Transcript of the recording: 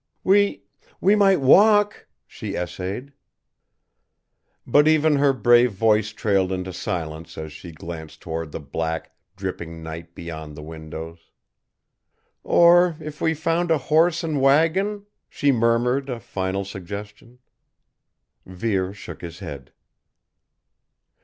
"We we might walk," she essayed. But even her brave voice trailed into silence as she glanced toward the black, dripping night beyond the windows. "Or if we found a horse and wagon," she murmured a final suggestion. Vere shook his head.